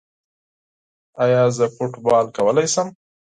ایا زه فوټبال کولی شم؟